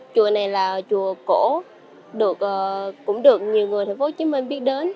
chùa này là chùa cổ cũng được nhiều người thành phố hồ chí minh biết đến